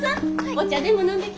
お茶でも飲んでいき。